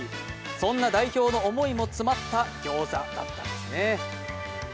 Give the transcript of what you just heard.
そんな代表の思いも詰まった餃子だったんですね。